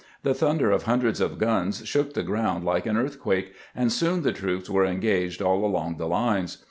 The thunder of hundreds of guns shook the ground like an earthquake, and soon the troops were engaged all along the lines.